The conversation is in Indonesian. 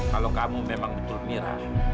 kalau kamu memang betul mirah